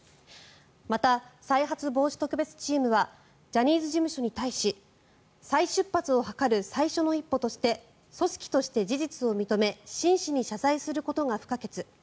また、再発防止特別チームはジャニーズ事務所に対し再出発を図る最初の一歩として組織として事実を認め真摯に謝罪することが不可欠。